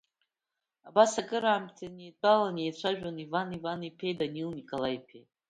Абас акраамҭа иеидтәаланы иеицәажәон Иван Иваниԥеи Данил Николаи-иԥеи.